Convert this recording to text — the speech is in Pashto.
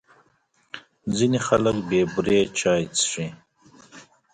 ځینې خلک بې بوري چای څښي.